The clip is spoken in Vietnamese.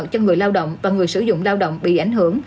cho người lao động và người sử dụng lao động bị ảnh hưởng